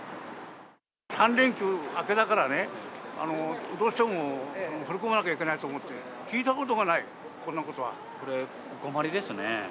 ３連休明けだからね、どうしても振り込まなきゃいけないと思って、聞いたことがないよ、お困りですね。